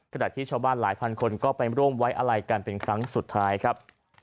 ขณะที่ชาวบ้านหลายพันคนก็ไปร่วมไว้อะไรกันเป็นครั้งสุดท้ายครับ